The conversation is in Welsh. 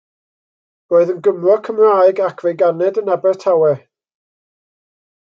Roedd yn Gymro Cymraeg ac fe'i ganed yn Abertawe.